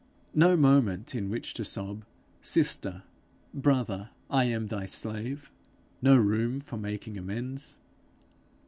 no moment in which to sob Sister, brother, I am thy slave? no room for making amends?